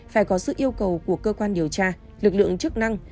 phải có sự yêu cầu của cơ quan điều tra lực lượng chức năng